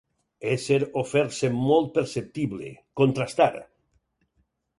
Ésser o fer-se molt perceptible, contrastar.